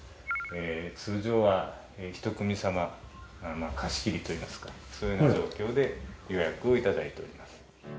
通常はひと組様貸し切りといいますかそういうような状況で予約をいただいております。